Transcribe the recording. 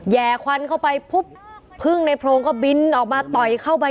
แย่ควันเข้าไปปุ๊บพึ่งในโพรงก็บินออกมาต่อยเข้าไป